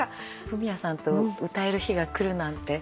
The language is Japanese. フミヤさんと歌える日が来るなんて。